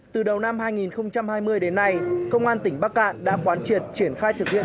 từ đầu năm hai nghìn hai mươi đến nay công an tỉnh bắc cạn đã quán triệt triển khai thực hiện